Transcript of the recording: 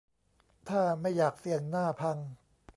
ถ้าไม่อยากเสี่ยงหน้าพัง